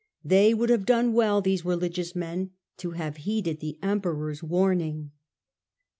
They would have done well, these religious men, to have heeded the Emperor's warning.